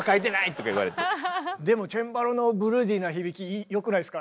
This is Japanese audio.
でもチェンバロのブルージーな響きよくないですか？